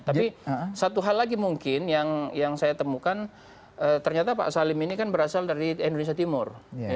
tapi satu hal lagi mungkin yang saya temukan ternyata pak salim ini kan berasal dari indonesia timur